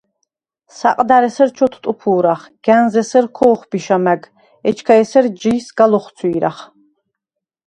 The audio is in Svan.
საყდა̈რ ესერ ჩოთტუფუ̄რახ, გა̈ნზ ესერ ქო̄ხბიშა მა̈გ, ეჩქა ესერ ჯი სგა ლოხცვი̄რახ.